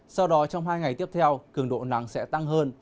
sau đó trong hai ngày tiếp theo cường độ nắng sẽ tăng hơn